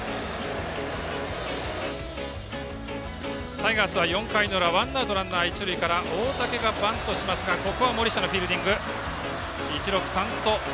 タイガースは４回の裏ワンアウト、ランナー、一塁から大竹がバントしますがここは森下のフィールディング。